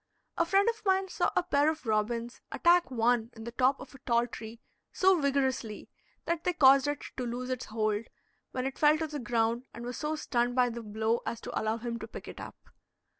A friend of mine saw a pair of robins attack one in the top of a tall tree so vigorously that they caused it to lose its hold, when it fell to the ground, and was so stunned by the blow as to allow him to pick it up.